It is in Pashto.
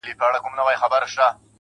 ستا هغه ګوته طلایي چیري ده؟